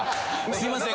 すいません。